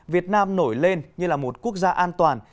việt nam nổi lên như là một quốc gia an toàn